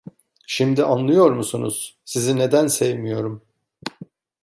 Şimdi anlıyor musunuz, sizi neden sevmiyorum.